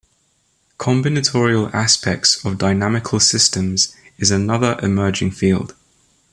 Combinatorial aspects of dynamical systems is another emerging field.